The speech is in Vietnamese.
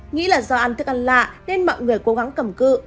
nghĩ là do ăn thức ăn lạ nên mọi người cố gắng cầm cự